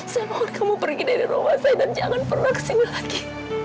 saya mohon kamu pergi dari rumah saya dan jangan pernah kesini lagi